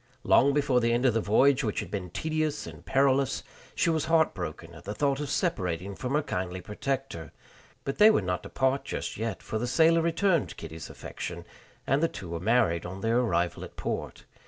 Long before the end of the voyage, which had been tedious and perilous, she was heartbroken at the thought of separating from her kindly protector; but they were not to part just yet, for the sailor returned Kitty's affection, and the two were married on their arrival at port.